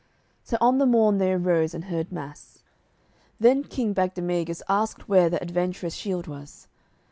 So on the morn they arose and heard mass. Then King Bagdemagus asked where the adventurous shield was.